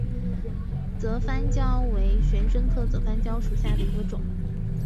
泽番椒为玄参科泽番椒属下的一个种。